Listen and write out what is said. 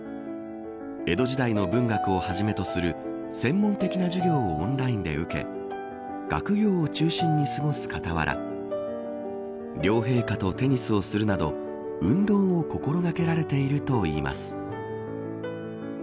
江戸時代の文学をはじめとする専門的な授業をオンラインで受け学業を中心に過ごす傍ら両陛下とテニスをするなど運動を心掛けているといいます。